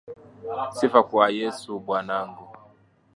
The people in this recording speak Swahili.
Sifa kwa Yesu Bwanangu,